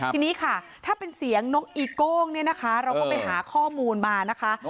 ทีนี้ค่ะถ้าเป็นเสียงนกอีโก้งเนี่ยนะคะเราก็ไปหาข้อมูลมานะคะ